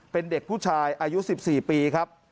เป็นเด็กผู้ชายอายุ๑๔ปีครับ